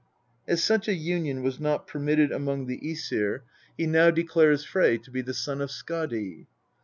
As such a union was not permitted among the LXX THE POETIC EDDA. he now declares Frey to be the son of Skadi.